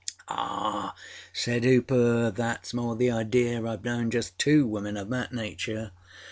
â âAh,â said Hooper. âThatâs more the idea. Iâve known just two women of that nature.